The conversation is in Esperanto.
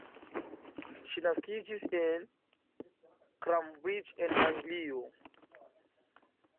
Ŝi naskiĝis en Cambridge en Anglio.